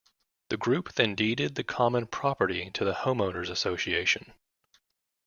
The group then deeded the common property to the homeowners association.